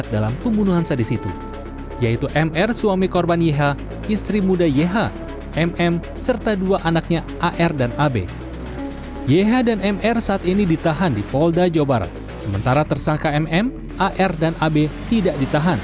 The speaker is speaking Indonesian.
dan pembunuhan ini menjadi misteri